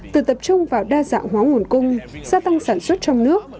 từ tập trung vào đa dạng hóa nguồn cung gia tăng sản xuất trong nước